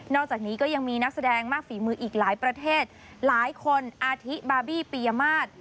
อกจากนี้ก็ยังมีนักแสดงมากฝีมืออีกหลายประเทศหลายคนอาทิบาบี้ปียมาตร